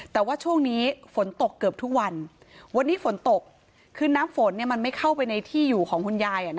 แต่ว่าช่วงนี้ฝนตกเกือบทุกวันวันนี้ฝนตกคือน้ำฝนมันไม่เข้าไปในที่อยู่ของคุณยาย